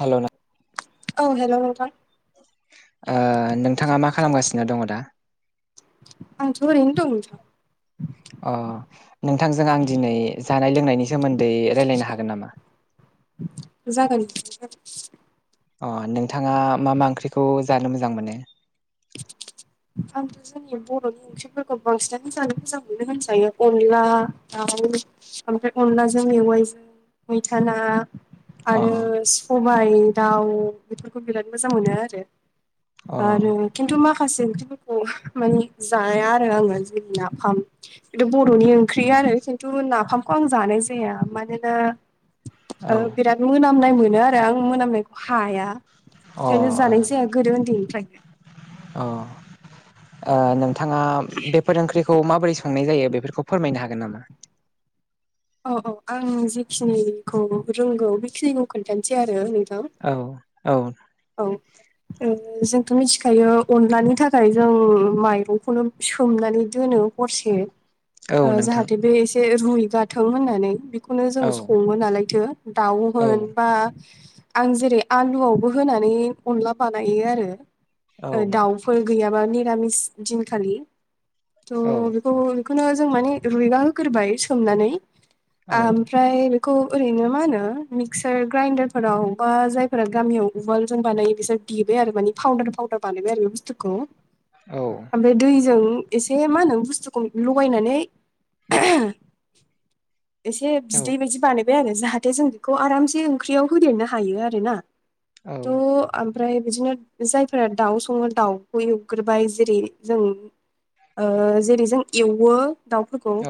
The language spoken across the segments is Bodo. हेलौ नों औ हेलौ नोंथां ओ नोंथाङा मा खालामगासिनो दङ दा? आंथ ओरैनो दं नोंथां अ नोंथांजों आं दिनै जानाय लोंनायनि सोमोन्दै रायलायनो हागोन नामा? जागोन [unintelligible] अ नोंथाङा मा मा ओंख्रिखौ जानो मोजां मोनो? आं थजोंनि बर नि ओंख्रिफोरखौ बांसिनानो जानो मोजां मोनो होनजायो अनला दाउ ओमफ्राय अनलाजों मेवाइजों मैथा ना अ आरो सबाय दाउ बेफोरखौ बिराद मोजां मोनो आरो अ औ आरो खिन्थु माखासे ओंख्रिफोरखौ माने जाया आरो आङो जेरै नाफाम खिन्थु बर नि ओंख्रिआरो खिन्थु नाफामखौ आं जानाय जाया मानोना ओ बिराद मोनामनाय मोनो आरो आं मोनामनाय हाया अ ओंखायनो जानाय जाया गोदो उन्दैनिफ्रायनो अ ओ नोंथाङा बेफोर ओंख्रिखौ माबोरै संनाय जायो बेफोरखौ फोरमायनो हागोन नामा? औ औ आं जेखिनिखौ रोंगौ बेखिनिखौ खोन्थानोासै आरो नोंथां। औ औ औ जोंथ' मिथिखायो अनलानि थाखाय जों माइरंखौनो सोमनानै दोनो। हरसे औ नोंथां जाहाथे बे एसे रुइ गाथों होननानै। खौनो जों औ संङो नालायथो दाउ औ होन बा आं जेरै आलुआवबो होनानै अनला बानायो आरो औ ओ दाउ फोर गैयाबा निरामिस दिनखालि औ ट बेनो जों म रुइबा होग्रोबाय सोमनानै औ आमफ्राय खौ ओरैनो मा होनो मिक्सार ग्राइडारफोराव बा जायफोरा गामियाव उवाल जों बानायो बिसोर देबाय आरो माने फाउदार फावदार बानायबाय आरो बे बुस्थुखौ। औ ओमफ्राय दैजों एसे मा होनो बुस्थुखौ लगायनानै एसे औ बिदै बायदि बानायबाय आरो जाहाथे जों बेखौ आरामसे ओंख्रियाव होदेरनो हायो आरोना औ थ' ओमफ्राय बिदिनो जायफोरा दाउ संङो दाउखौ एवग्रोबाय जेरै जों जेरै जों एवो दाउफोरखौ अ औ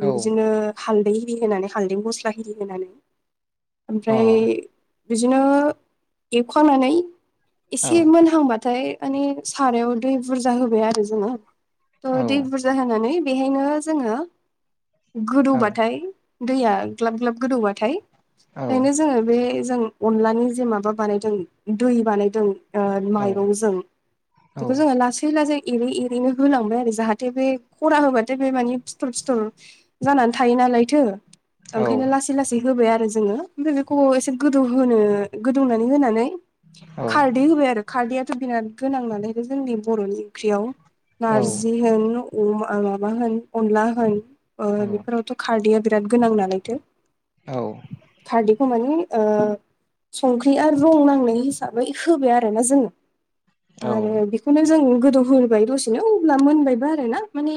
औ बिदिनो हालदै हिरि होनानै हालदै गस्ला हिरि होनानै ओमफ्राय बिदिनो एवखांनानै एसे मोनहांबाथाय माने सारायाव दै बुरजा होबाय आरो जोंङो थ' दै बुरजा जाहोनानै बेहायनो जोंङो गोदौबाथाय दैया ग्लाब ग्लाब गोदौबाथाय औ खायनो जोंङो बे जों अनलानि जे माबा बानाय जों दै बानायदों ओ औ माइरंजों आरो बेखौ जोंङो लासै लासै एरै एरैनो होलांबाय आरो जाहाथे बे खरा होबाथाय बे माने फिथर फिथर जानानै थायो नालायथो ओंखायनो औ लासै लासै होबाय आरो जोंङो ओमफ्राय बेखौ एसे गोदौहोनो गोदौनानै होननानै औ खारदै होबाय आरो खारदैआथ' बिराद गोनां नालाय बे जोंनि बर'नि ओंख्रियाव। औ नारजि होन अम माबा होन अनला होन बेफोरावथ' खारदैया बिराद गोनां नालायथो औ खारदैखो माने ओ सं होयो आरो रं नांनाय हिसाबै होबाय आरो ना जोंङो आरो बेखौनो जों गोदौहोबाय दसेनो अब्ला मोनबायबो आरो ना माने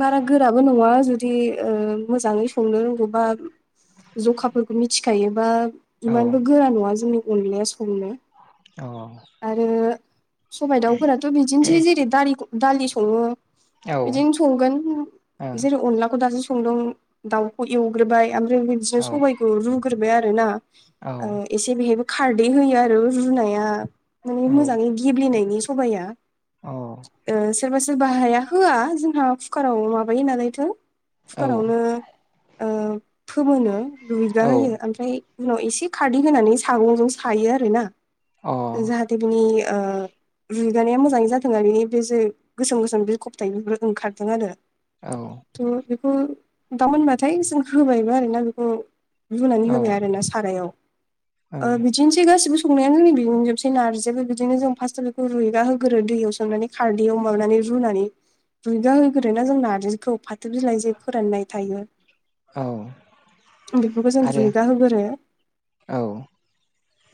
बारा गोराबो नङा जुदि ओ मोजाङै संनो रोंगौबा जखाफोरखौ मिथिखायोबा इमानबो गोरा नङा जोंनि अनलाया संनो। औ। आरो सबा दाउफोराथ' बिदिनोसै जेरै दा दालि संङो। बिदिनो संगोन जेरै अनलाखौ दासो संदों। दाउखौ एवग्रोबाय ओमफ्राय बिदिनो सबायखौ रुग्रोबाय आरो ना ओ एसे बेहायबो खारदै होयो आरो रुनाया माने मोजांङै गेब्लेनायनि सबाया। ओ सोरबा सोरबा हाय होआ जोंहा कुकाराव माबायो नालायथो। कुकारावनो ओ फोमोनो रुइगा होयो ओमफ्राय उनाव एसे खारदै होनानै सागंजों सायो आरोना। जाहाथे बेनि ओ रुइगानाया मोजाङै जादों आरो बेनि जे गोसोम गोसोम बे बिखब थायो बेफोर ओंखारथों आरो। औ। थ' बेखौ दाव मोनबाथाय जों होबायबो आरोना बेखौ। रुनानै होबाय आरो ना सारायाव। बिदिनोसै गासिबो संनाया जोंनि बिजोबसै नारजिबो बिदिनो जों फार्स्टआव बेखौ रुइगाहोगोरो दैयाव सोमनानै खारदैयाव माबानानै रुनानै रुयगा होगोरोना जों नारजिखौ फाथो बिलाइ फोराननाय थायो। बेफोरखौ जों रुयगा होग्रो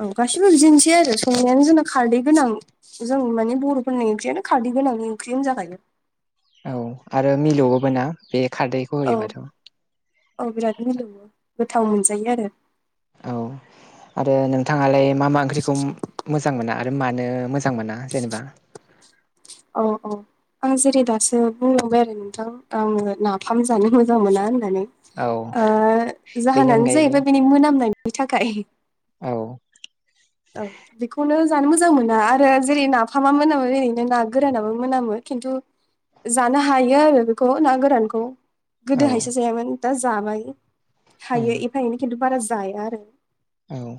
औ गासिबो बिदिनोसै आरो संनायानो जोंना खारदै गोनां जों माने बर'फोरनि ओंख्रियानो खारै गोनांनि ओंख्रि होनजाखायो। औ आरो मिलौवोबो ना बे खारदै - औ औ बिराद मिलौवो गोथाव मोनजायो आरो। औ आरो नोंथांङालाय मा मा ओंख्रिखौ मोजां मोना आरो मानो मोजां मोजां मोना जेनेबा? अ औ। आं जेरै दासो बुंलांबाय आरो नोंथां आंङो नाफाम जानो मोजां मोना होननानै। औ ओ बेनि जाहोनानो अनगायैबो जाहैबाय बिनि मोनामनायनि थाखाय। औ। औ। बेखौनो जानो मोजां मोना आरो जेरै नाफामा मोनामो ओरैनो ना गोरानाबो मोनामो खिन्थु जानो हायो आरो बेखौ ना गोरानखौ। औ गोदो हायसो जायामोन दा जाबाय उम थायो एफा एनै खिन्थु बारा जाया आरो। औ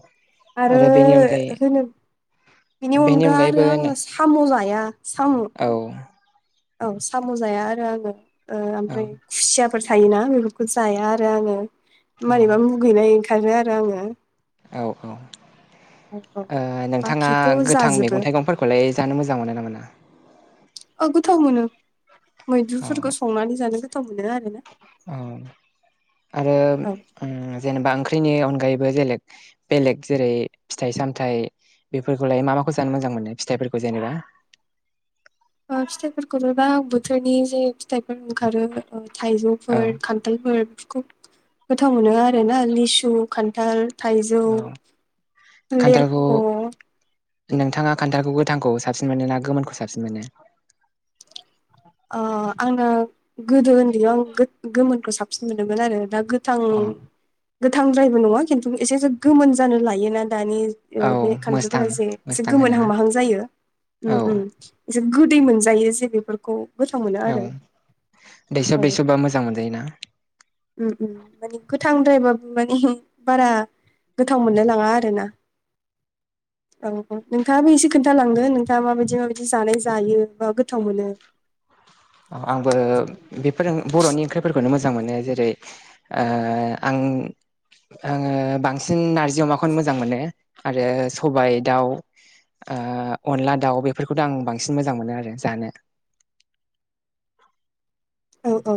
आरो बेनि अनगायै होनो बेनि अनगा आरो आंङो साम' जाया साम' औ। औ साम' जाया आरो आंङो औ ओमफ्राय खुसियाफोर थायोना बेफोरखौ जाया आरो आंङो औ मारैबा मुगैनाय ओंखारो आरो आंङो। औ औ औ नोंथांङा बाखिथ' गोथां जाजोबो मैगं थाइगंफोर खौलाय जानो मोजां मोनो ना मोना? औ गोथाव मोनो औ मैद्रुफोरखौ संनानै जानो गोथाव मोनो आरोना। औ आरो औ जेनेबा ओंख्रिनि अनगायैबो बेलेग। बेलेग जेरै फिथाइ सामथायाइ बेफोरखौलाय मा माखौ जानो मोजां मोनो फिथाइफोरखौ जेनेबा। फिथाइफोरखौबो बा बोथोरनि जे फिथाइफोर ओंखारो औ थाइजौफोर। खान्थालफोर बेफोरखौ गोथाव मोनो आरो ना लिसु खान्थाल। थाइजौ, औ लेरख'। नोंथााङा खान्थालखौ गोथांखौ साबसिन मोनो ना गोमोनखौ साबसिन मोनो? आंना गोदो उन्दैयाव आं गोमोनखौ साबसिन मोनदोंमोन आरो दा गो गोथां अ गोथांद्रायबो नङा खिन्थु एसेसो गोमोन जानो लायोना दानि औ बे मोसथां खान्थालफोरा एसे एसे मोसथां होनोना गोमोनहां माहां जायो औ उम उम। एसे गोदै मोनजायो जे बेफोरखौ गोथाव मोनो औ आरो औ दैसब दैसबा मोजां मोनजायोना। माने गोथांद्रायबाबो माने बारा गोथाव मोनलाय लाङा आरोना। [inaudible] औ नोंथाङाबो एसे खोन्थालांदो नोंथाङा माबायदि-माबायदि जानाय जायो बा गोथाव मोनो? आंबो बेफोर बर'नि ओंख्रिफोरखौनो मोजां मोनो। जेरै ओ आं आङो बांसिन नारजि अमाखौनो मोजां मोनो आरो सबायाइ दाउ अनला-दाउ बेफोरखौथ' आं बांसिन मोजां मोनो आरो जानो। औ औ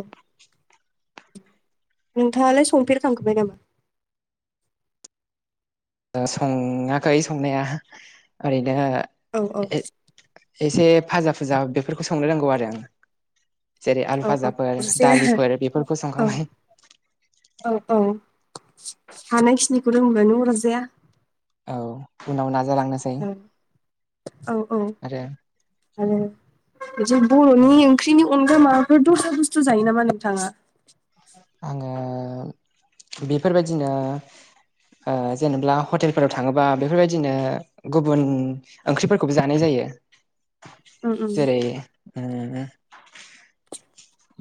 नोंथाङालाय संफेरखांखाबाय नामा? ओ सङाखै संनाया ओरैनो औ औ इदि एसे फाजा-फुजा बेफोरखौ संनो रोंगौ आरो। जेरै आलु औ औ फाजाफोर, अरजाया दालिफोर बेफोरखौ आरो संखांबाय। औ औ हानायखिनिखौ रोंब्लानो अरजाया। औ उनाव नाजालांनोसै। औ औ औ आरो आरो बिदि औ बर'नि ओंख्रिनि अनगा माबाफोर दस्रा बुस्थु जायो नामा नोंथाङा? आङो बेफोरबायदिनो ओ जेनेब्ला हटेलफोराव थाङोबा बेफोरबायदिनो गुबुन ओंख्रिफोरखौबो जानाय जायो उम उम जेरै उम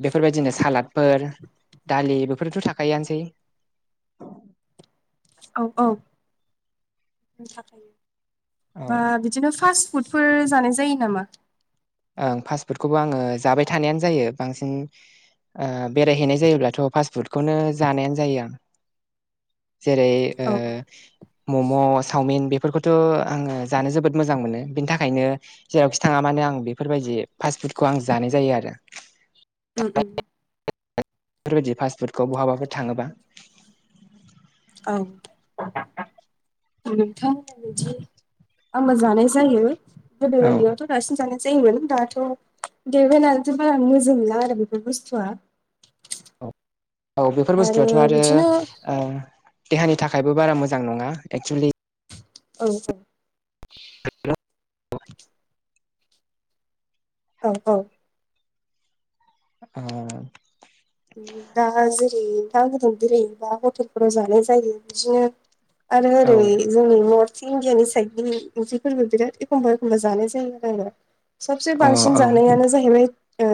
बेफोरबायदिनो सालादफोर दालि बेफोरथ' थाखायोनोसै। औ औ थायो औ बा बिदिनो फार्स्ट फुडफोर जानाय जायो नामा? ओं फास्टफुदखौबो आङो जाबाय थानायानो जायो बांसिन ओ बेरायहैनाय जायोब्लाथ' फास्ट फुडखौनो जानायानो जायो आं। जेरै औ ओ मम' सावमिन बेफोरखौथ' आङो जानो जोबोद मोजां मोनो बिनि थाखायनो जेरावखि थाङा मानो आं बेफोरबायदि फास्ट फुडखौ आं जानाय जायो आरो। उम उम बेफोरबायदि फास्टफुडखौ बहाबाबो थाङोबा औ नोंथांमोना बिदि आंबो जानाय जायो गोदो औ उन्दैयावथ' बांसिन जानाय जायोमोन दाथ' देरबायनालाय बारा मोजोमला आरो बेफोर बुस्थुआ। औ बेफोर बुस्थुआथ' आरो ओ देहानि थाखायबो बारा मोजां नङा एक्सुलि औ औ [unintelligible] औ औ। ओ दा जेरै था गोदुं जेरै दा हटेलफोराव जानाय जायो बिदिनो आरो औ ओरै जोंनि नर्थ [unintelligible] इण्डियानि साइडनि ओंख्रिफोरबो बिराद एखमबा-एखमबा जानाय जायो आरो आङो। साबसे अ बांसिन औ जानायानो जाहैबाय ओ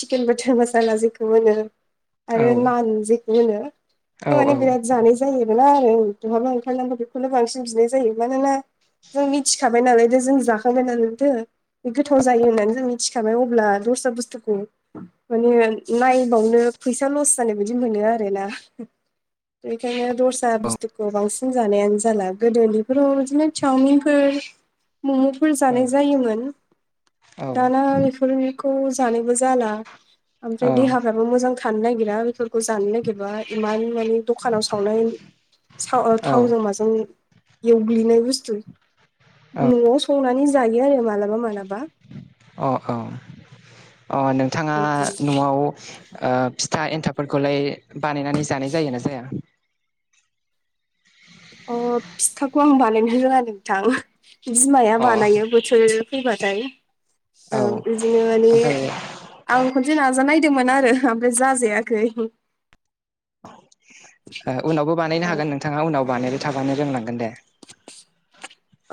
चिकेन बाटार मासाला जे खौहोनो आरो नान जेखौ होनो औ बेखौ माने औ बिराथ जानाय जायोबोना आरो बहाबा ओंखारनांगौ बेखौनो बांसिन बिनाय जायो मानोना जों मिथिखाबाय नालायदो जों जाखांबाय नालायथो। बे गोथाव जायो होननानै जों मिथिखाबाय अब्ला दस्रा बुस्थुखौ माने नायबावनो फैसा लस जानाय बायदि मोनो आरो ना। बेखायनो दस्रा बुस्थुखौ बांसिन जानायानो जाला गोदो उन्दनिफोराव बिदिनो चावमिनफोर [inaudible] मम'फोर औ जानाय जायोमोन दाना बेफोरखौ जानोबो जाला। औ अ ओमफ्राय देहाफ्राबो मोजां थानो नागिरा बेफोरखौ जानो नागिरबा इमान माने दखानाव सावनाय साव थावजों माजों एवग्लिनाय बुस्थु न'आव संनानै जायो आरो मालाबा मालाबा। अ औ अ नोंथाङा अ न'आव ओ फिथा एन्थाबफोरखौलाय बानायनानै जानाय जायोना जाया? अ फिथाखौ आं बानायनो रोङा नोंथां बिमाया अ बानायो। बोसोर फैबाथाय औ बिदिनो माने ओमफ्राय आं खनसे नाजानायनायदोंमोन आरो ओमफ्राय जाजायाखै। ओ उनावबो बानायनो हागोन नोंथाङा उनाव बानायबाय थाबानो रोंलांगोन दे।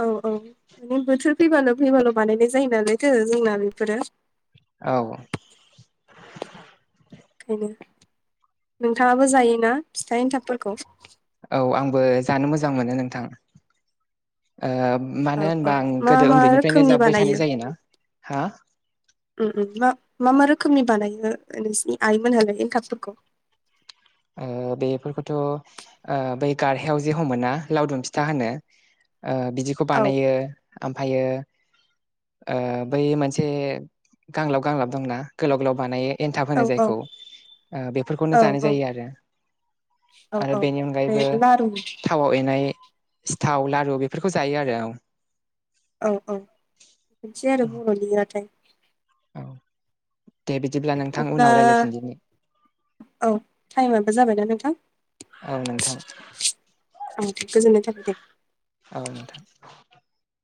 औ औ माने बोथोर फैबाल' फैबाल' बानायनाय जायो नालायथो जोंना बेफोरो। औ नोंथाङाबो जायोना फिथा एन्थाब फोरखौ? औ आंबो जानो मोजां मोनो नोंथां ओ औ मानो औ होनबा आं मा गोदो मा उन्दैनिफ्रायनो रोखोमनि जाबोबाय बानायो थानाय जायोना हा मा मा मा रोखोमनि बानायो नोंसिनि आइमोनहालाय एन्थाबफोरखौ? बेफोरखौथ' बै गारहायाव जे हमोना लावदुम फिथा होनो। बिदिखौ औ बानायो ओमफ्रायो बै मोनसे गांलब गांलाब दंना गोलाव गोलाव बानायो एन्थाब होनो औ औ जायखौ बेफोरखौनो औ जानाय जायो औ आरो। औ आरो औ बेनि बे अनगायैबो लारु थावाव एनाय सिथाव लारु बेफोरखौ जायो आरो औ। औ औ बिदि आरो औ बरनि बाथाय। औ दे बिदिब्ला नोंथां अब्ला उनाव रायज्लायफिनदिनि। औ टाइमाबो जाबायना नोंथां। औ नोंथां ओ दे गोजोननाय थाबाय दे। औ नोंथां।